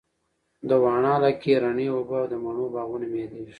د واڼه علاقې رڼې اوبه او د مڼو باغونه مي ياديږي